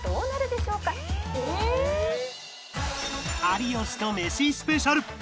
「有吉とメシ」スペシャル